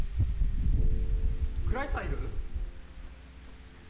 倉石さんいる？